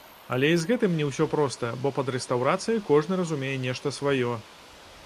Але і з гэтым не ўсё проста, бо пад рэстаўрацыяй кожны разумее нешта сваё.